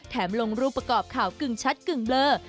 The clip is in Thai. ลงรูปประกอบข่าวกึ่งชัดกึ่งเบลอ